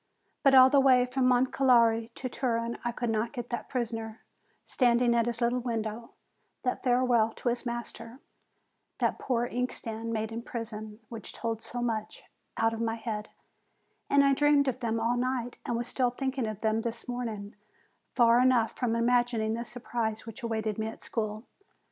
But all the way from Moncalieri to Turin I could not get that prisoner standing at his little window, that farewell to his master, that poor inkstand made in prison, which told so much, out of my head; and I dreamed of them all night, and was still thinking of them this morning far enough from imagining the surprise which awaited me at school